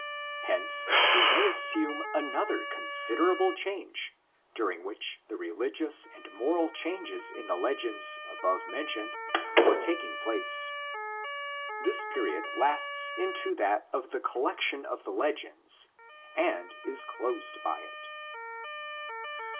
Hence we may assume another considerable period during which the reli gious and moral changes in the legends above men tioned were taking place. This period lasts over into that of the collection of the legends and is closed by it.